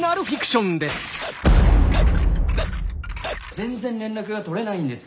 全然連絡が取れないんです。